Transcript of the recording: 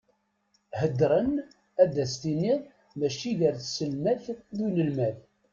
Heddren ad as-tiniḍ mačči gar tselmadt d unelmad.